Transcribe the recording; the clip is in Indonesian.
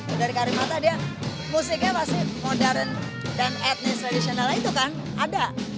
dia musiknya pasti modern dan etnis tradisional itu kan ada